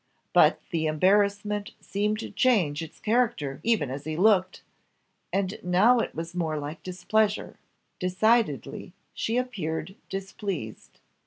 But the embarrassment seemed to change its character even as he looked, and now it was more like displeasure decidedly, she appeared displeased.